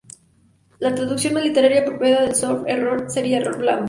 La traducción más literaria y apropiada de soft error sería "error blando".